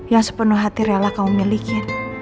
yang sepenuh hati rela kau miliki